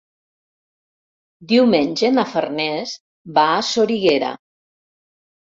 Diumenge na Farners va a Soriguera.